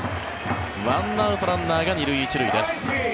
１アウトランナーが２塁１塁です。